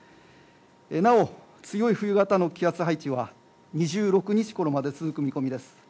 なお、強い冬型の気圧配置は２６日ごろまで続く見込みです。